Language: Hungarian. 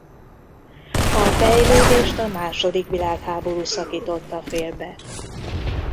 A fejlődést a második világháború szakította félbe.